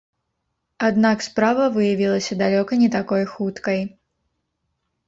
Аднак справа выявілася далёка не такой хуткай.